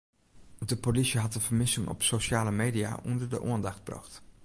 De polysje hat de fermissing op sosjale media ûnder de oandacht brocht.